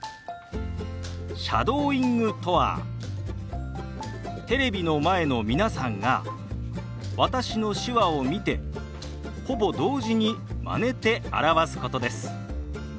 シャドーイングとはテレビの前の皆さんが私の手話を見てほぼ同時にまねて表すことです。